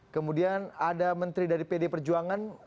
kemudian ada menteri dari pd perjuangan